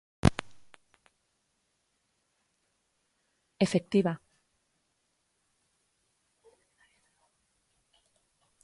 ¡Efectiva!